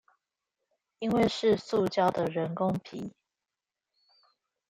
因為是塑膠的人工皮